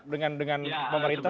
dengan pemerintah seperti apa